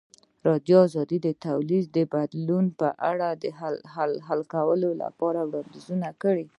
ازادي راډیو د ټولنیز بدلون په اړه د حل کولو لپاره وړاندیزونه کړي.